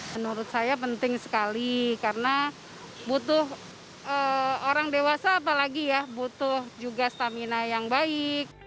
menurut saya penting sekali karena butuh orang dewasa apalagi ya butuh juga stamina yang baik